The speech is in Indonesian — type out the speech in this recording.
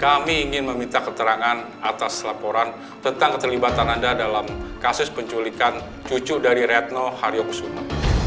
kami ingin meminta keterangan atas laporan tentang keterlibatan anda dalam kasus penculikan cucu dari retno haryokusuma